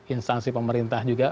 instansi pemerintah juga